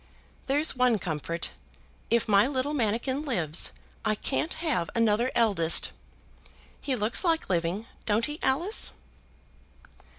There's one comfort; if my mannikin lives, I can't have another eldest. He looks like living; don't he, Alice?"